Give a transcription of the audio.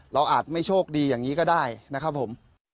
อาจไม่โชคดีอย่างนี้ก็ได้นะครับผม